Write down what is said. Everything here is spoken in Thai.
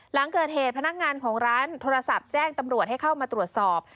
หลังเกิดเหตุพนักงานของร้านโทรศัพท์แจ้งตำรวจให้เข้ามาตรวจสอบ